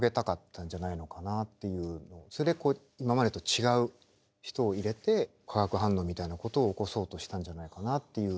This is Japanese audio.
それで今までと違う人を入れて化学反応みたいなことを起こそうとしたんじゃないかなっていうのを。